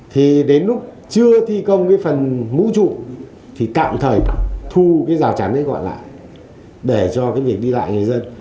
thì đến lúc chưa thi công cái phần ngũ trụ thì tạm thời thu cái rào chắn đấy gọi lại để cho cái việc đi lại người dân